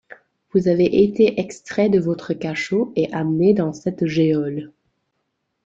Vous avez été extrait de votre cachot et amené dans cette geôle.